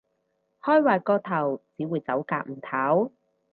開壞個頭，只會走夾唔唞